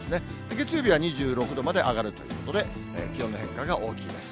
月曜日は２６度まで上がるということで、気温の変化が大きいです。